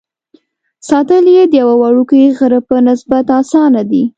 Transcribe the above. ساتل یې د یوه وړوکي غره په نسبت اسانه دي.